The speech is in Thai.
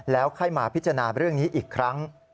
แล้วค่อยมาพิจารณาเรื่องนี้อีกครั้ง